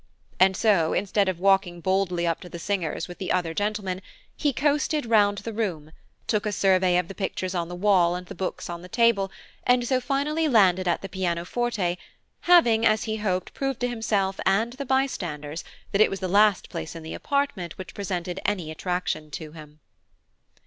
and so instead of walking boldly up to the singers with the other gentlemen, he coasted round the room, took a survey of the pictures on the wall and the books on the table, and so finally landed at the pianoforte, having, as he hoped, proved to himself and the bystanders that it was the last place in the apartment which presented any attraction to him.